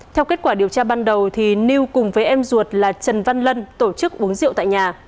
theo kết quả điều tra ban đầu new cùng với em ruột là trần văn lân tổ chức uống rượu tại nhà